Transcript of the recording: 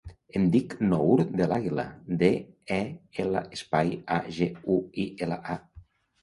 Em dic Nour Del Aguila: de, e, ela, espai, a, ge, u, i, ela, a.